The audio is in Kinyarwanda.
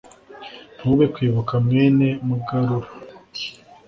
ntube kwibuka mwene mugarura